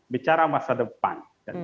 bicara masa depan